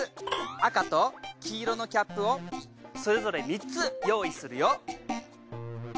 あかときいろのキャップをそれぞれ３つ用意するよ。